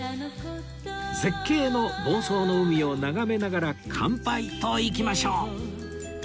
絶景の房総の海を眺めながら乾杯といきましょう！